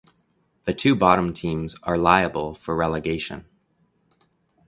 The two bottom teams are liable for relegation.